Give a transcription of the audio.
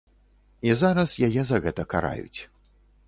І зараз яе за гэта караюць.